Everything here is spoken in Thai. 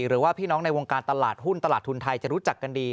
หรือว่าพี่น้องในวงการตลาดหุ้นตลาดทุนไทยจะรู้จักกันดี